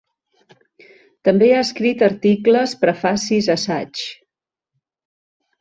També ha escrit articles, prefacis, assaigs.